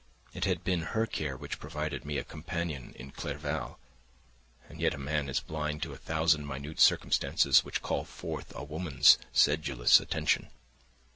It had been her care which provided me a companion in Clerval—and yet a man is blind to a thousand minute circumstances which call forth a woman's sedulous attention.